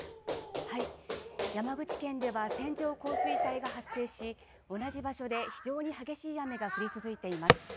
山口県では線状降水帯が発生して同じ場所で非常に激しい雨が降り続いています。